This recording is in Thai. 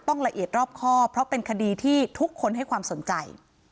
ละเอียดรอบครอบเพราะเป็นคดีที่ทุกคนให้ความสนใจ